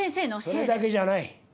それだけじゃない。